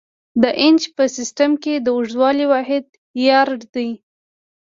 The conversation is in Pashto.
د انچ په سیسټم کې د اوږدوالي واحد یارډ دی.